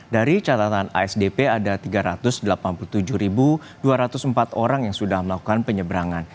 dari catatan asdp ada tiga ratus delapan puluh tujuh dua ratus empat orang yang sudah melakukan penyeberangan